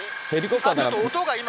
ちょっと音が。